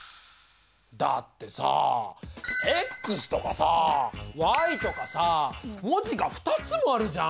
だってさとかさとかさ文字が２つもあるじゃん。